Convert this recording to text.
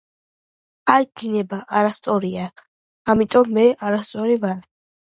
აი გინება არასწორია.ამიტომ, მე არასწორი ვარ